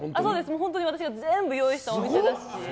私が全部用意したお店だし。